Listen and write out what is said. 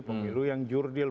pemilu yang jurdil